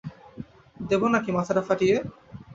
দেব নাকি মাথাটা ফাটিয়ে?